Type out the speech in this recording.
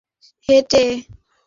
কিন্তু আর কোনো অপশনও তো নেই।